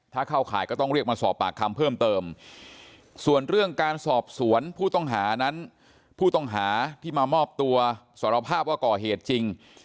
ถ้าเข้าข่ายก็ต้องเรียกมาสอบปากคำเพิ่มเติมส่วนเรื่องการสอบสวนผู้ต้องหานั้นผู้ต้องหาที่มามอบตัวสารภาพว่าก่อเหตุจริง